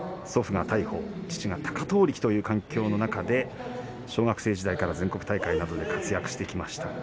祖父が大鵬父が貴闘力という環境の中で小学生のころから全国大会で活躍してきました。